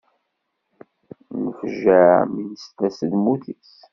Nefjeɛ mi nesla s lmut-is.